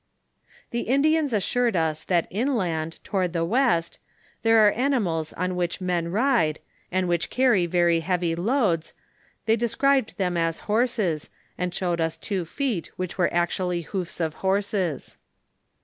The Indians assured us that inland, toward the west, there are animals on which men ride, and which carry very heavy loads, they described them as horses, and showed us two feet which were actually hoofs of horses.